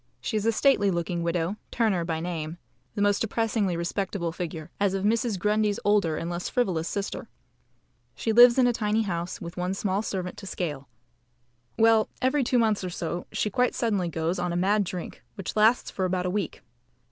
She is a stately looking widow, Turner by name, the most depressingly respectable figure, as of Mrs. Grundy's older and less frivolous sister. She lives in a tiny house, with one small servant to scale. Well, every two months or so she quite suddenly goes on a mad drink, which lasts for about a week.